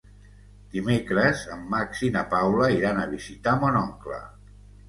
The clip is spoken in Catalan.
Dimecres en Max i na Paula iran a visitar mon oncle.